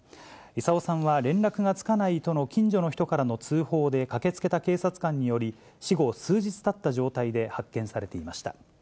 功さんは、連絡がつかないとの近所の人からの通報で駆けつけた警察官により、死後数日たった状態で発見されていました。